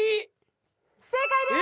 正解です！